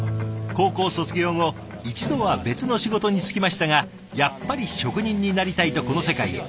高校卒業後一度は別の仕事に就きましたがやっぱり職人になりたいとこの世界へ。